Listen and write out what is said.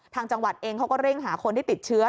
ทางจังหวัดเองเขาก็เร่งหาคนที่ติดเชื้อ